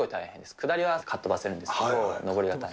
下りはかっ飛ばせるんですけど、登りは大変。